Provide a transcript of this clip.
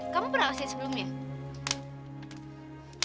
kamu pernah kesini sebelumnya